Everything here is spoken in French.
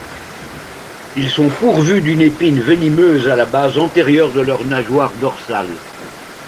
Ils sont pourvus d'une épine venimeuse à la base antérieure de leurs nageoires dorsales.